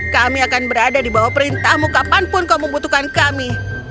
kami akan berada di bawah perintahmu kapanpun kau membutuhkan kami